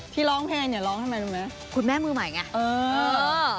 ร้องเพลงเนี่ยร้องทำไมรู้ไหมคุณแม่มือใหม่ไงเออ